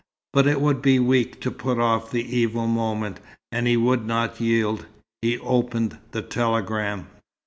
But it would be weak to put off the evil moment, and he would not yield. He opened the telegram.